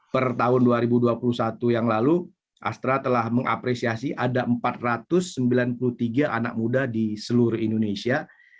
per tahun dua ribu dua puluh satu yang lalu astra telah mengapresiasi ada empat ratus sembilan puluh tiga anak muda di seluruh indonesia